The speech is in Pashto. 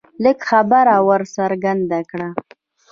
لږ خبره ور څرګنده کړه